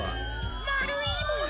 まるいもの！